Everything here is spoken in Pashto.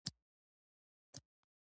دوستي د صبر او زغم نتیجه ده.